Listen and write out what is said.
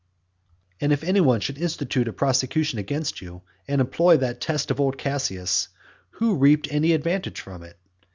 And if any one should institute a prosecution against you, and employ that test of old Cassius, "who reaped any advantage from it?"